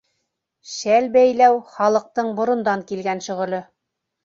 Шәл бәйләү — халыҡтың борондан килгән шөғөлө.